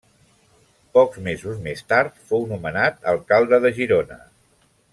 Pocs mesos més tard, fou nomenat alcalde de Girona.